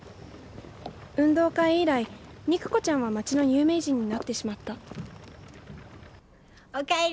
運動会以来肉子ちゃんは町の有名人になってしまったお帰り！